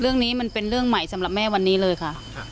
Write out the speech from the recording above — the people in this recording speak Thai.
เรื่องนี้มันเป็นเรื่องใหม่สำหรับแม่วันนี้เลยค่ะ